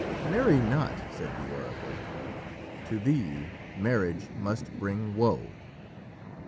"Marry not," said the oracle. "To thee marriage must bring woe."